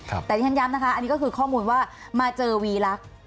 แต่ที่ฉันย้ำนะคะอันนี้ก็คือข้อมูลว่ามาเจอวีลักษณ์